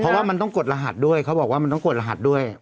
เพราะว่ามันต้องกดรหัสด้วยเขาบอกว่ามันต้องกดรหัสด้วย